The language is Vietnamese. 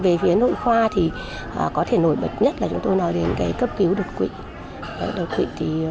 về nội khoa có thể nổi bật nhất là chúng tôi nói đến cấp cứu đột quỷ